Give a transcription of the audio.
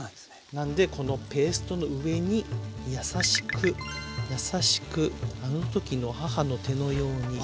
なんでこのペーストの上に優しく優しくあの時の母の手のように。